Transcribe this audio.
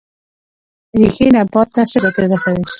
ریښې نبات ته څه ګټه رسوي؟